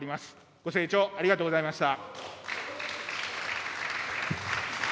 ご静聴ありがとうございました。